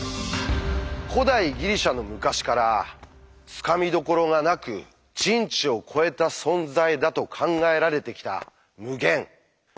古代ギリシャの昔からつかみどころがなく「人知を超えた存在」だと考えられてきた「無限」。